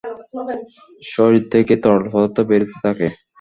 শরীর থেকে তরল পদার্থ বেরোতে থাকে।